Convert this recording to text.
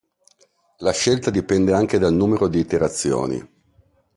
La scelta dipende anche dal numero di iterazioni.